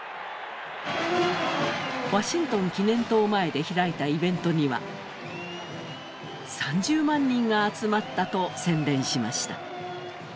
ワシントン記念塔前で開いたイベントには３０万人が集まったと宣伝しました。